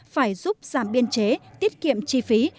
phải giúp giảm biên chế tiết kiệm chi phí